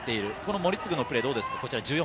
森次のプレーはどうですか？